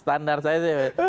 standar saya sih